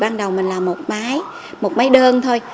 ban đầu mình làm một máy một máy đơn thôi